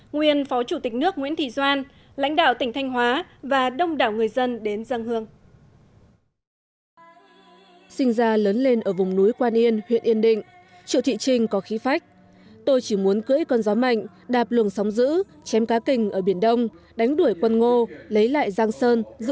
nguyên phó chủ tịch nước nguyễn thị doan lãnh đạo tỉnh thanh hóa và đông đảo người dân đến dân hương